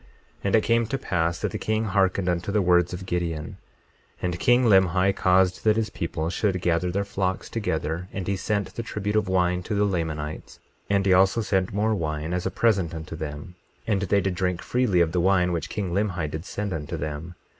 22:9 And it came to pass that the king hearkened unto the words of Gideon. 22:10 And king Limhi caused that his people should gather their flocks together; and he sent the tribute of wine to the Lamanites; and he also sent more wine, as a present unto them; and they did drink freely of the wine which king Limhi did send unto them.